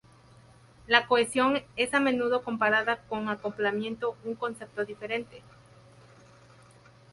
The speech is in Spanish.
La cohesión es a menudo comparada con acoplamiento, un concepto diferente.